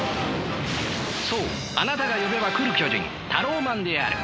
そうあなたが呼べば来る巨人タローマンである。